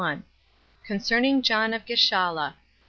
Concerning John Of Gichala.